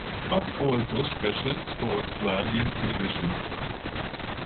But Also specials for Australian television.